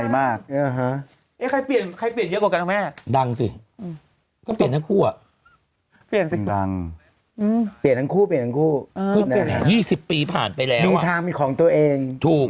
มีทางเป็นของตัวเอง